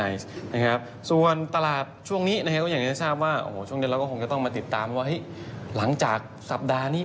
ใช่ครับอันนี้ก็เป็นเรื่องของกลิ๊บที่เราฝากไว้วันนี้